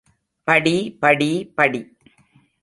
படி படி படி!